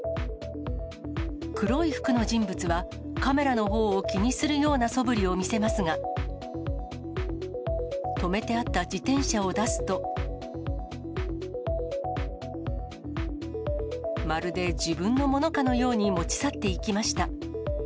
黒い服の人物は、カメラのほうを気にするようなそぶりを見せますが、止めてあった自転車を出すと、まるで自分のものかのように持ち去っていきました。